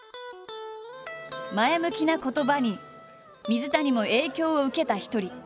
前向きな言葉に水谷も影響を受けた一人。